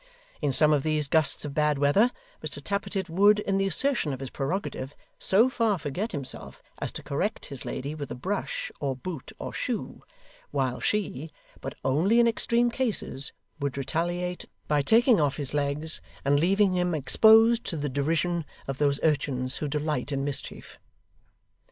In some of these gusts of bad weather, Mr Tappertit would, in the assertion of his prerogative, so far forget himself, as to correct his lady with a brush, or boot, or shoe; while she (but only in extreme cases) would retaliate by taking off his legs, and leaving him exposed to the derision of those urchins who delight in mischief.